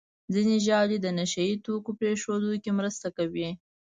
ځینې ژاولې د نشهیي توکو پرېښودو کې مرسته کوي.